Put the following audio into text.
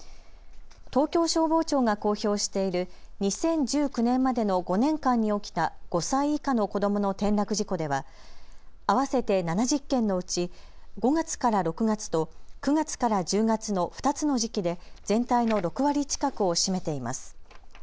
東京消防庁が公表している２０１９年までの５年間に起きた５歳以下の子どもの転落事故では合わせて７０件のうち５月から６月と９月から１０月の２つの時期で全体の６割近くを占めています。